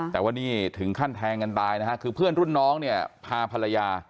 แต่ว่านี่ถึงขั้นแทงกันตายนะฮะคือเพื่อนรุ่นน้องเนี่ยพาภรรยา